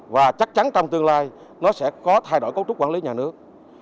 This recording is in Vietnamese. và chắc chắn trong tương lai nó sẽ có thay đổi cấu trúc quản lý nhà nước